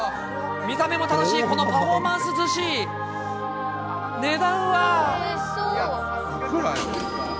見た目も楽しいこのパフォーマンスずし、値段は。